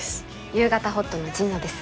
「夕方ほっと」の神野です。